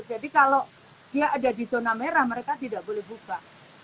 jadi kalau dia ada di zona merah mereka tidak boleh buka